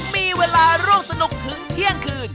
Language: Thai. มีเวลาร่วมสนุกถึงเที่ยงคืน